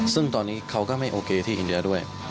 ซึ่งตอนนี้เขาก็ไม่โอเคที่อินเดียด้วย